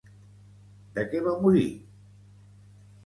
De què va morir?